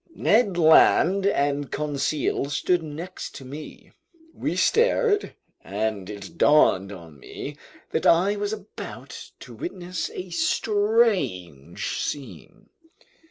Ned Land and Conseil stood next to me. We stared, and it dawned on me that I was about to witness a strange scene.